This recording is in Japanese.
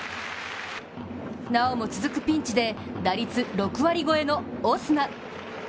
なおも続くピンチで、打率６割超えのオスナ。